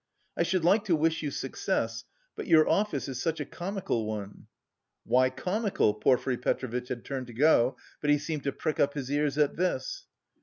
"I should like to wish you success, but your office is such a comical one." "Why comical?" Porfiry Petrovitch had turned to go, but he seemed to prick up his ears at this.